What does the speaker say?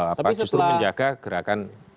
apa justru menjaga gerakan